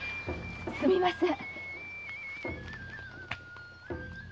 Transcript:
すみません。